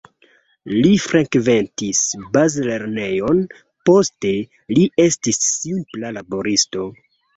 Li frekventis bazlernejon, poste li estis simpla laboristo.